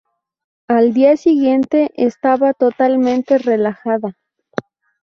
Al día siguiente estaba totalmente relajada.